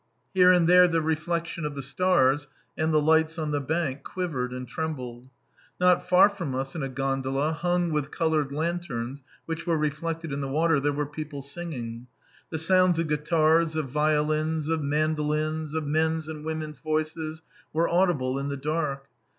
Here and there the reflection of the stars and the lights on the bank quivered and trembled. Not far from us in a gondola, hung with coloured lanterns which were reflected in the water, there were people singing. The sounds of guitars, of violins, of mandolins, of men's and women's voices, were audible in the dark.